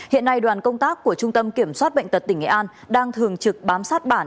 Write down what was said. hiện nay đoàn công tác của trung tâm kiểm soát bệnh tật tỉnh nghệ an đang thường trực bám sát bản